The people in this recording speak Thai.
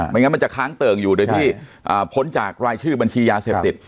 งั้นมันจะค้างเติ่งอยู่โดยที่พ้นจากรายชื่อบัญชียาเสพติด